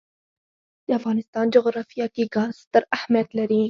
د افغانستان جغرافیه کې ګاز ستر اهمیت لري.